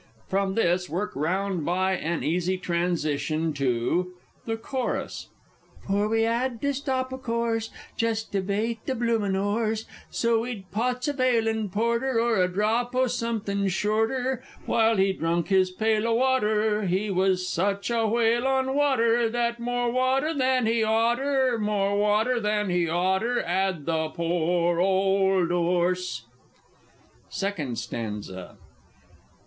From this work round by an easy transition to _ The Chorus For we 'ad to stop o' course, Jest to bait the bloomin' 'orse, So we'd pots of ale and porter (Or a drop o' something shorter), While he drunk his pail o' water, He was sech a whale on water! That more water than he oughter, More water than he oughter, 'Ad the poor old 'orse! _Second Stanza.